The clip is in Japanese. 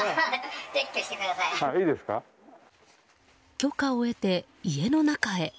許可を得て家の中へ。